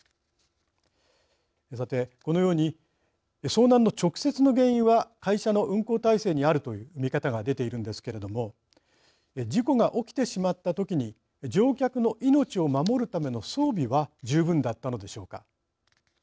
さてこのように遭難の直接の原因は会社の運航体制にあるという見方が出ているんですけれども事故が起きてしまった時に乗客の命を守るための装備は十分だったのでしょうか。